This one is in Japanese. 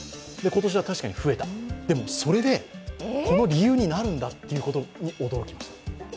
今年は確かに増えたでも、それでこの理由になるんだってことに驚きました。